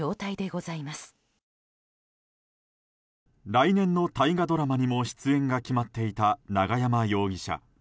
来年の大河ドラマにも出演が決まっていた永山容疑者。